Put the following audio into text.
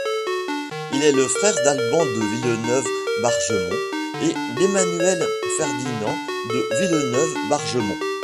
Il est le frère d'Alban de Villeneuve-Bargemon et d'Emmanuel-Ferdinand de Villeneuve-Bargemon.